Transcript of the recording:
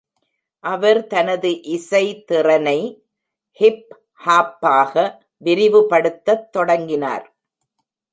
அவர் தனது இசை திறனை ஹிப் ஹாப்பாக விரிவுபடுத்தத் தொடங்கினார்.